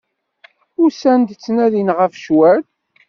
Usan-d, ttnadin ɣef ccwal.